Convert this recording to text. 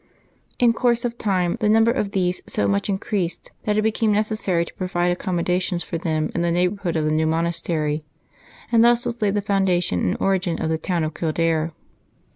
In course of time the number of these so much increased that it became neces sary to provide accommodation for them in the neighbor hood of the new monastery, and thus was laid the founda tion and origin of the town of Kildare.